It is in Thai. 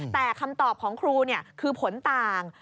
แต่คำตอบของครูคือผลต่าง